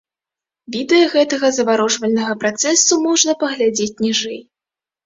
Відэа гэтага заварожвальнага працэсу можна паглядзець ніжэй.